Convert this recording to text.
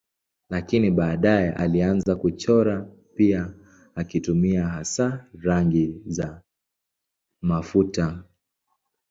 Lakini baadaye alianza kuchora pia akitumia hasa rangi za mafuta.